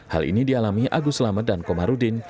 hal ini dialami agus lamed dan komarudin